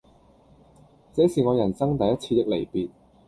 這是我人生第一次的離別